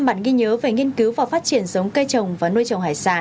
năm bản ghi nhớ về nghiên cứu và phát triển sống cây trồng và nuôi trồng hải sản